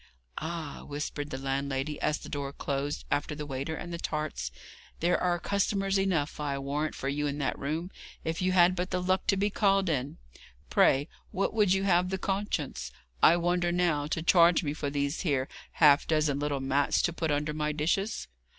'Ay,' whispered the landlady, as the door closed after the waiter and the tarts, 'there are customers enough, I warrant, for you in that room, if you had but the luck to be called in. Pray, what would you have the conscience, I wonder now, to charge me for these here half dozen little mats to put under my dishes?'